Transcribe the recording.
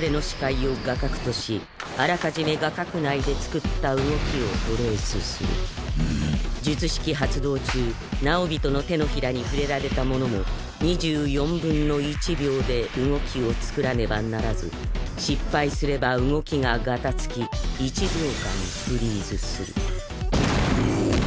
己の視界を画角としあらかじめ画角内で作った動きをトレースする術式発動中直毘人の手のひらに触れられた者も２４分の１秒で動きを作らねばならず失敗すれば動きがガタつき１秒間フリーズするぐおっ。